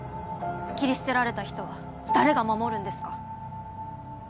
切り捨てられた人は誰が守るんですか？